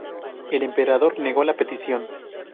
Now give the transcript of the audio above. El emperador negó la petición.